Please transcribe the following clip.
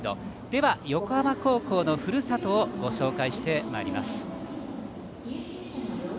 では横浜高校のふるさとをご紹介します。